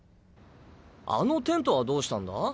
あのテントはどうしたんだ？